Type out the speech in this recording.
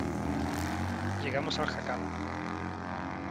llegamos al jacal .